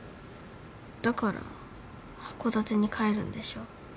だから函館に帰るんでしょ？